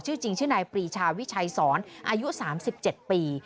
ชื่อจริงชื่อนายปรีชาวิชัยสอนอายุ๓๗ปี